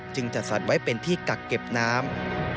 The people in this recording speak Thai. จึงจะสัดไว้เป็นที่กักเก็บน้ำ